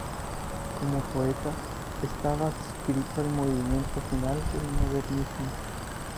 Como poeta, estaba adscrito al movimiento final del modernismo.